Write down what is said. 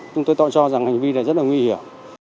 chúng tôi tôi cho rằng hành vi này rất là nguy hiểm